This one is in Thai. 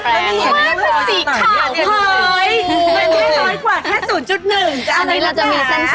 ไม่คุณศรีข่าวคุณเฮ้ยมันไม่น้อยกว่าแค่๐๑จ้ะอะไรแบบนี้ค่ะ